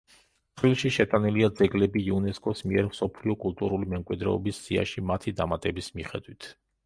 ცხრილში შეტანილია ძეგლები, იუნესკოს მიერ მსოფლიო კულტურული მემკვიდრეობის სიაში მათი დამატების მიხედვით.